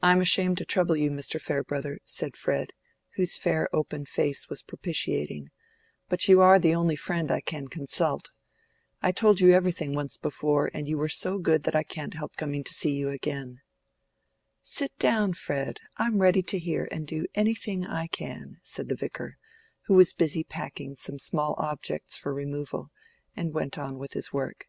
"I am ashamed to trouble you, Mr. Farebrother," said Fred, whose fair open face was propitiating, "but you are the only friend I can consult. I told you everything once before, and you were so good that I can't help coming to you again." "Sit down, Fred, I'm ready to hear and do anything I can," said the Vicar, who was busy packing some small objects for removal, and went on with his work.